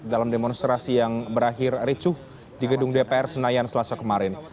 dalam demonstrasi yang berakhir ricuh di gedung dpr senayan selasa kemarin